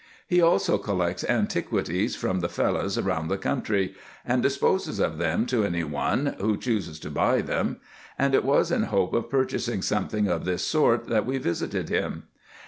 Pie also collects antiquities from the Fellahs round the country, and disposes of them to any one, who chooses to buy them ; and it was in hope of purchasing some thing of this sort, that we visited him.